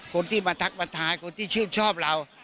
คนที่มาทักมาทายคนที่ชื่นชอบเรา